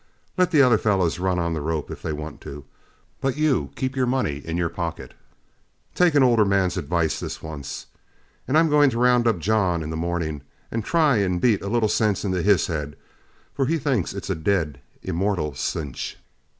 Let the other fellows run on the rope if they want to, but you keep your money in your pocket. Take an older man's advice this once. And I'm going to round up John in the morning, and try and beat a little sense into his head, for he thinks it's a dead immortal cinch."